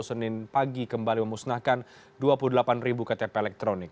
senin pagi kembali memusnahkan dua puluh delapan ribu ktp elektronik